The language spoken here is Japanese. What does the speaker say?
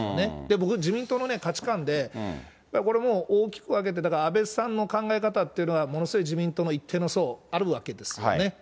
僕、自民党の価値観で、やっぱりこれもう、大きく分けて、だから安倍さんの考え方っていうのは、ものすごい自民党の一定の層あるわけですよね。